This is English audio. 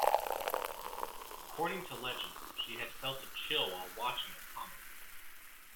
According to legend, she had felt a chill while watching a comet.